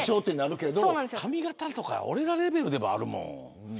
髪型とか俺らレベルでもあるもん。